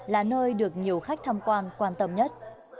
là nơi được nhiều khách tham quan quan tâm nhất